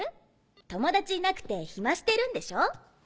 友達いなくて暇してるんでしょ？